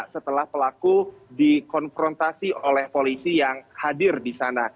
setelah pelaku dikonfrontasi oleh polisi yang hadir di sana